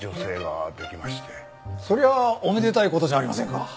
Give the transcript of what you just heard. そりゃあおめでたい事じゃありませんか。